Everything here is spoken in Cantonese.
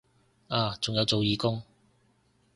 啊仲有做義工